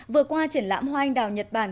vừa qua triển lãm hoa anh đào nhật bản